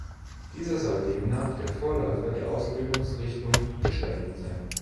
Dieser soll demnach der Vorläufer der Ausbildungsrichtung Gestaltung sein.